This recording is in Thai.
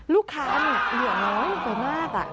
ลูกค้าเหงื่อน้อยกว่าง่ายมาก